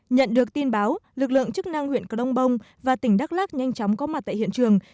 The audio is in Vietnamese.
nhận được tin báo lực lượng chức năng huyện crong bông và tỉnh đắk lắc nhanh chóng có mặt tại hiện trường